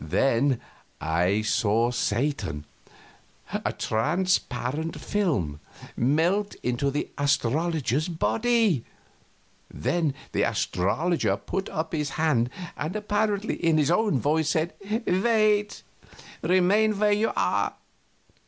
Then I saw Satan, a transparent film, melt into the astrologer's body; then the astrologer put up his hand, and apparently in his own voice said, "Wait remain where you are."